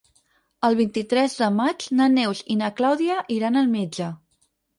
El vint-i-tres de maig na Neus i na Clàudia iran al metge.